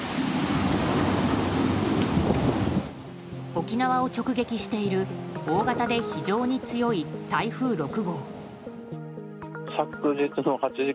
沖縄を直撃している大型で非常に強い台風６号。